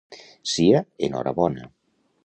Sia en hora bona.